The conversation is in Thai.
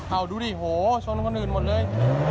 เอาดูดิโหชนคนอื่นหมดเลย